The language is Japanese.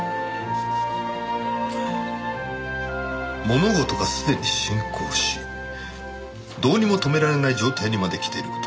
「物事がすでに進行しどうにも止められない状態にまで来ている事」